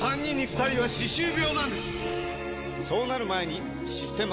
そうなる前に「システマ」！